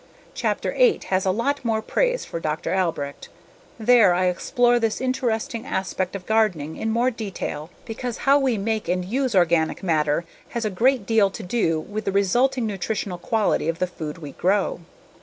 Chapter Eight has a lot more praise for Dr. Albrecht. There I explore this interesting aspect of gardening in more detail because how we make and use organic matter has a great deal to do with the resulting nutritional quality of the food we grow.